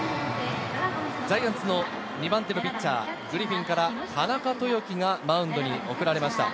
ジャイアンツの２番手のピッチャー、グリフィンから田中豊樹がマウンドに送られました。